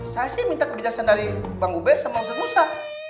saya sih minta kebijaksanaan dari bang bube sama ustadz musa